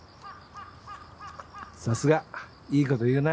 さすがいいこと言うな。